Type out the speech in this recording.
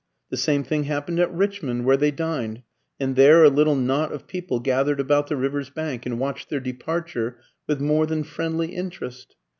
The same thing happened at Richmond, where they dined; and there a little knot of people gathered about the river's bank and watched their departure with more than friendly interest.